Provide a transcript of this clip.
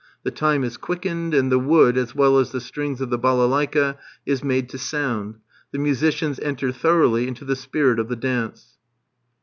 The time is quickened, and the wood, as well as the strings of the balalaiki, is made to sound. The musicians enter thoroughly into the spirit of the dance.